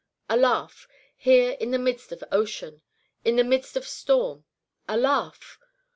A laugh, here in the midst of ocean! in the midst of storm! a laugh!